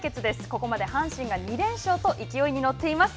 ここまで阪神が２連勝と勢いに乗っています。